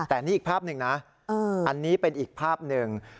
แต่นี่อีกภาพหนึ่งนะอันนี้เป็นอีกภาพหนึ่ง